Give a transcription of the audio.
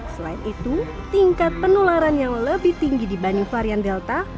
selain itu tingkat penularan yang lebih tinggi dibanding varian delta